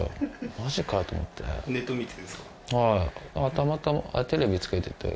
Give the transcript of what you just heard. たまたまテレビつけてて。